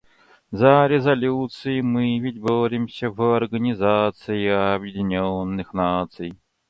За резолюции мы ведь боремся в Организации Объединенных Наций.